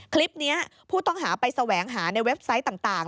คลิปนี้ผู้ต้องหาไปแสวงหาในเว็บไซต์ต่าง